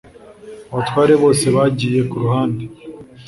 abatware bose bagiye ku rugamba